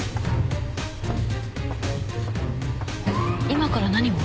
今から何を？